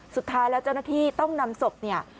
สุดท้ายแล้วเจ้าหน้าที่ต้องนำศพเนี่ย